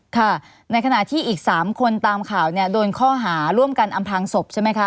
ค่ะในขณะที่อีก๓คนตามข่าวเนี่ยโดนข้อหาร่วมกันอำพังศพใช่ไหมคะ